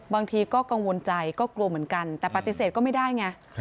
บางทีก็กังวลใจก็กลัวเหมือนกันแต่ปฏิเสธก็ไม่ได้ไง